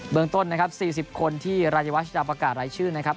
เมืองต้นนะครับ๔๐คนที่รายวัชจะประกาศรายชื่อนะครับ